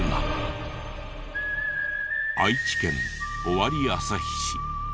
愛知県尾張旭市。